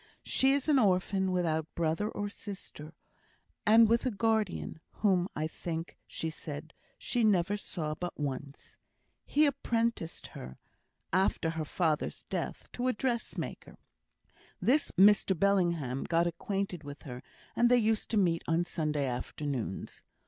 She is an orphan, without brother or sister, and with a guardian, whom, I think she said, she never saw but once. He apprenticed her (after her father's death) to a dressmaker. This Mr Bellingham got acquainted with her, and they used to meet on Sunday afternoons.